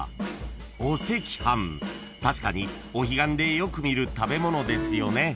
［確かにお彼岸でよく見る食べ物ですよね］